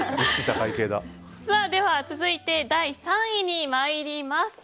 では続いて第３に参ります。